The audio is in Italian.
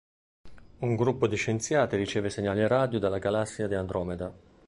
Un gruppo di scienziati riceve segnali radio dalla Galassia di Andromeda.